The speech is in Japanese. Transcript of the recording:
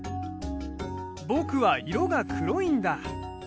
僕は色が黒いんだ。